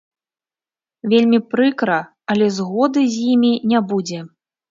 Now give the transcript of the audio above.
Вельмі прыкра, але згоды з імі не будзе.